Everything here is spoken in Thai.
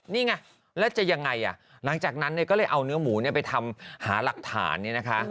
นี่ไงแล้วจะยังไงหลังจากนั้นก็เลยเอาเนื้อหมูไปทำหาหลักฐานเนี่ยนะคะ